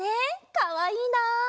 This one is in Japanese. かわいいな。